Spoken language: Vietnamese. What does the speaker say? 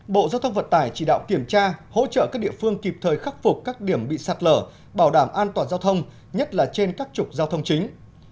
bộ giao thông vận tải chỉ đạo kiểm tra hỗ trợ các địa phương kịp thời khắc phục các điểm bị sạt lở bảo đảm an toàn giao thông nhất là trên các trục giao thông chính